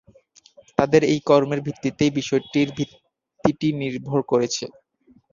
তাঁদের এই কর্মের ভিত্তিতেই বিষয়টির ভিত্তিটি নির্ভর করেছে।